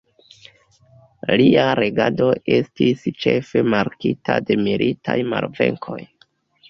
Lia reĝado estis ĉefe markita de militaj malvenkoj.